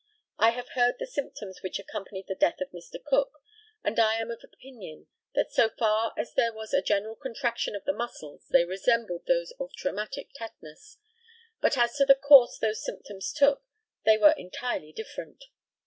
I have heard the symptoms which accompanied the death of Mr. Cook, and I am of opinion that so far as there was a general contraction of the muscles they resembled those of traumatic tetanus; but as to the course those symptoms took, they were entirely different.